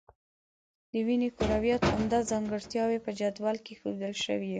د وینې کرویاتو عمده ځانګړتیاوې په جدول کې ښودل شوي.